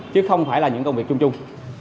chứ không phải là những công việc chung chung